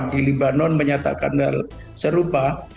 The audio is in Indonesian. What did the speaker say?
untuk menjadikan kekuatan kekuatan kekuatan kekuatan kekuatan